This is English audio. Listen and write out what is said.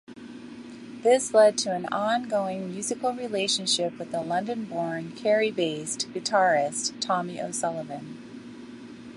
This led to an ongoing musical relationship with the London-born, Kerry-based guitarist Tommy O'Sullivan.